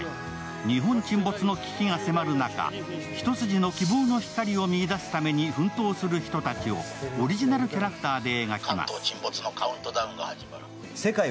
「日本沈没」の危機が迫る中、一筋の希望の光を見いだすために奮闘する人たちをオリジナルキャラクターで描きます。